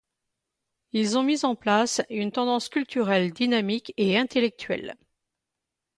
Ils ont mis en place une tendance culturelle dynamique et intellectuelle.